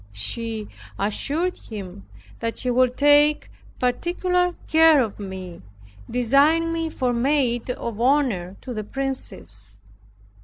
She assured him that she would take particular care of me, designing me for maid of honor to the princess.